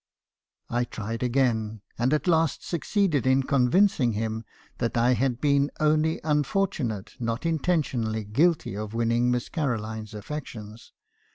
* "I tried again, and at last succeeded in convincing him that I had been only unfortunate , not intentionally guilty of winning Miss Caroline's affections.